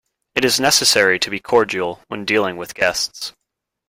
It is necessary to be cordial when dealing with guests.